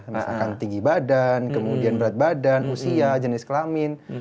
misalkan tinggi badan kemudian berat badan usia jenis kelamin